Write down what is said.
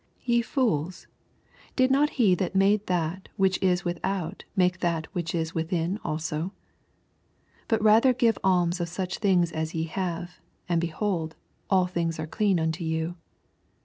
40 Ve fools, did not he that made that which is without make that which is wiOiin also ? 41 But rather give alms of such things as ye have, and behold, all things are clean unto you.